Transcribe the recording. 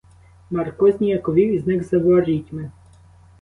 Марко зніяковів і зник за ворітьми.